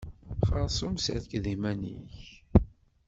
Xerṣum serked iman-ik.